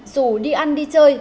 dù đi ăn đi chơi